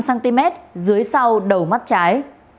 căng một năm cm dưới sau đầu mắt trái